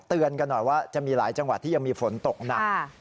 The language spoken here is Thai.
เตือนกันหน่อยว่าจะมีหลายจังหวัดที่ยังมีฝนตกหนัก